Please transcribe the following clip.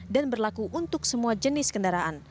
dan berlaku untuk semua jenis kendaraan